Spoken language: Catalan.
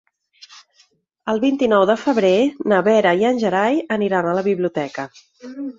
El vint-i-nou de febrer na Vera i en Gerai aniran a la biblioteca.